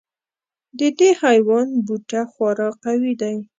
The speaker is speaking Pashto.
د دې حیوان بوټه خورا قوي دی.